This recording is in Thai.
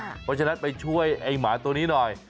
เพราะฉะนั้นไปช่วยไอ้หมาตัวนี้หน่อย